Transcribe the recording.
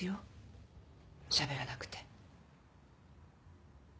しゃべらなくて。